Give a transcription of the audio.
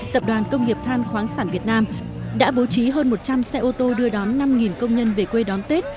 tập đoàn công nghiệp than khoáng sản việt nam đã bố trí hơn một trăm linh xe ô tô đưa đón năm công nhân về quê đón tết